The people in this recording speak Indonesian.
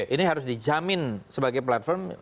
ini harus dijamin sebagai platform